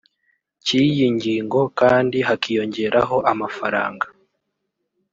cy iyi ngingo kandi hakiyongeraho amafaranga